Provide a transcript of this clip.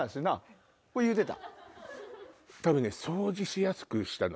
言うてた。